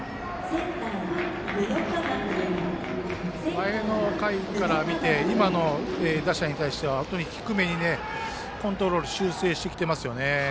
前の回から見て今の打者に対しては低めにコントロール修正してきていますよね。